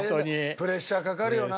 プレッシャーかかるな。